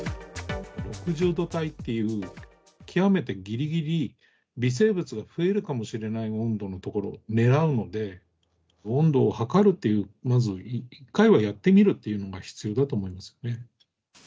６０度帯という極めてぎりぎり微生物が増えるかもしれない温度のところを狙うので、温度を測るという、まず、一回はやってみるというのが必要だと思いますね。